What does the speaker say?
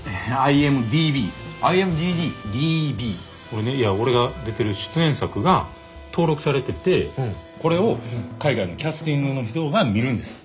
これねいや俺が出てる出演作が登録されててこれを海外のキャスティングの人が見るんです。